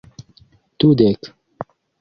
dudek